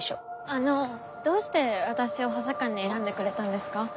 あのどうして私を補佐官に選んでくれたんですか？